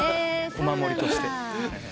お守りとして。